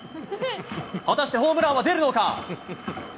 果たしてホームランは出るのか。